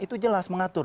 itu jelas mengatur